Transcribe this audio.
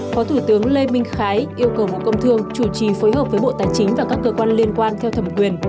phó thủ tướng lê minh khái yêu cầu bộ công thương chủ trì phối hợp với bộ tài chính và các cơ quan liên quan theo thẩm quyền